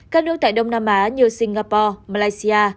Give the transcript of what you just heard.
các nước tại đông nam á như singapore malaysia